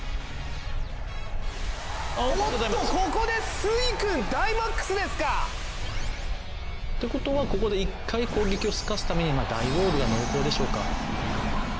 おっとここでスイクンダイマックスですか！ってことはここで１回攻撃をすかすためにダイウォールが濃厚でしょうか。